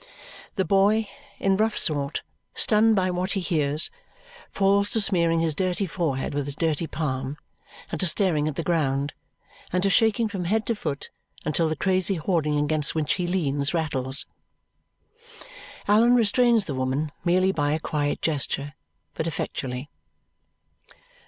The boy, in rough sort stunned by what he hears, falls to smearing his dirty forehead with his dirty palm, and to staring at the ground, and to shaking from head to foot until the crazy hoarding against which he leans rattles. Allan restrains the woman, merely by a quiet gesture, but effectually.